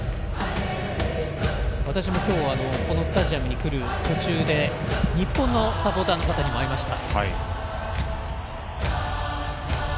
私も今日はこのスタジアムに来る途中で日本のサポーターの方にも会いました。